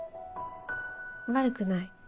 悪くない。